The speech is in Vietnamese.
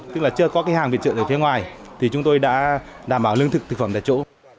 tức là chưa có cái hàng viện trợ ở phía ngoài thì chúng tôi đã đảm bảo lương thực thực phẩm tại chỗ